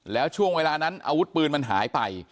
แล้วช่วงเวลานั้นอาวุธปืนมันหายไป